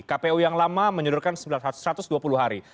kpu yang lama menyudurkan satu ratus dua puluh hari